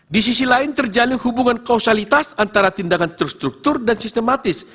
di sisi lain terjalin hubungan kausalitas antara tindakan terstruktur dan sistematis